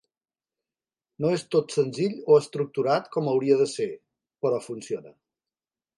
No és tot senzill o estructurat com hauria de ser, però funciona.